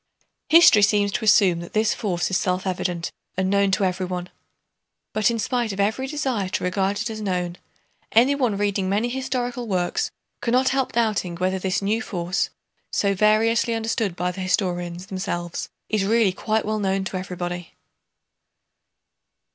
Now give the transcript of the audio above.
History seems to assume that this force is self evident and known to everyone. But in spite of every desire to regard it as known, anyone reading many historical works cannot help doubting whether this new force, so variously understood by the historians themselves, is really quite well known to everybody.